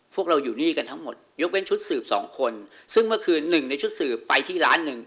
พวกเราอยู่นี่กันทั้งหมดยกเว้นชุดสืบสองคนซึ่งเมื่อคืนหนึ่งในชุดสืบไปที่ร้านหนึ่ง